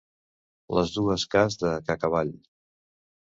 Les dues cas de Cacavall.